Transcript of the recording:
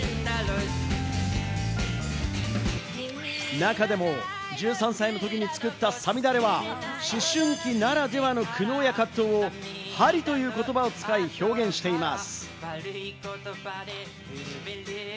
中でも１３歳のときに作った『五月雨』は、思春期ならではの苦悩や葛藤を「針」という言葉を使い、表現しています。